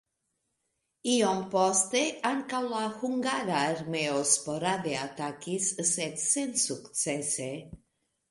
Iom poste ankaŭ la hungara armeo sporade atakis, sed sensukcese.